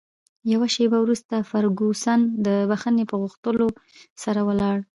یوه شیبه وروسته فرګوسن د بښنې په غوښتلو سره ولاړه.